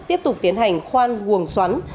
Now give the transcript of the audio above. tiếp tục tiến hành khoan guồng xoắn